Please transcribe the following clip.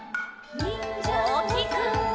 「にんじゃのおさんぽ」